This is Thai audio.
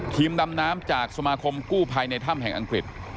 ดำน้ำจากสมาคมกู้ภัยในถ้ำแห่งอังกฤษ